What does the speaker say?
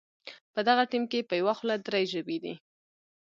په دغه ټیم کې په یوه خوله درې ژبې دي.